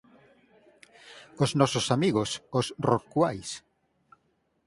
Os nosos amigos, os rorcuais